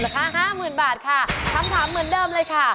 คำถามเหมือนเดิมเลยค่ะ